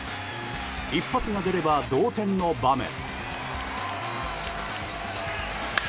一発が出れば、同点の場面。